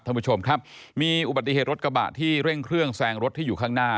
ท่านผู้ชมครับมีอุบัติเหตุรถกระบะที่เร่งเครื่องแซงรถที่อยู่ข้างหน้า